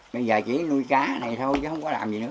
bây giờ chỉ nuôi cá này thôi chứ không có làm gì nữa